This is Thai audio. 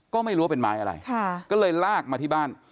ก็ไม่รู้ว่าเป็นไม้อะไรก็เลยลากมาที่บ้าน